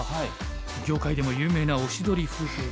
業界でも有名なおしどり夫婦の林先生。